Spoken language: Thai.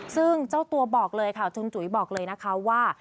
ซึ่งเจ้าตัวบอกเลยค่ะคุณจุ๋ยบอกเลยนะคะว่า